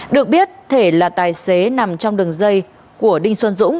được biết thể là tài xế nằm trong đường dây của đinh xuân dũng